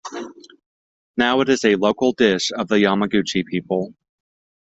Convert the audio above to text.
Now it is a local dish of Yamaguchi people.